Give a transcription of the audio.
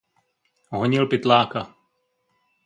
Honil pytláka.